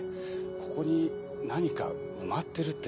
ここに何か埋まってるって。